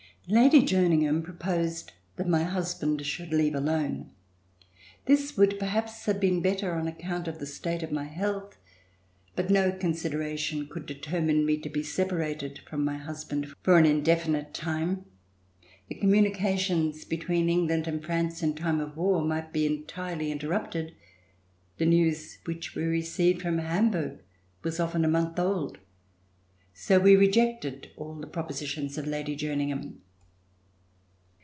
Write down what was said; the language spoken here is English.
Lady Jerningham proposed that my husband should leave alone. This would perhaps have been better on account of the state of my health, but no consideration could determine me to be separated from my husband for an indefinite time. The com munications between England and France, in time of war, might be entirely interrupted. The news which we received from Hamburg was often a month old; so we rejected all the propositions of Lady Jerningham.